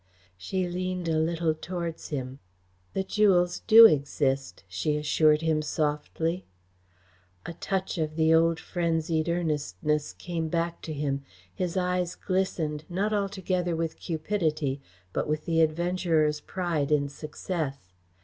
She leaned a little towards him. "The jewels do exist," she assured him softly. A touch of the old frenzied earnestness came back to him. His eyes glistened, not altogether with cupidity, but with the adventurer's pride in success.